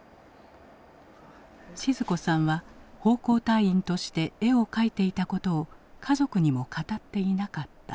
靜子さんは奉公隊員として絵を描いていたことを家族にも語っていなかった。